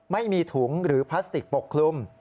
ไม่มีถุงหรือพลาสติกปกคลุม